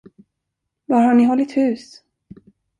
Var har ni hållit hus?